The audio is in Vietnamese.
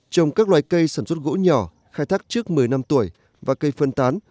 trồng các loài cây sản xuất gỗ nhỏ khai thác trước một mươi năm tuổi và cây phân tán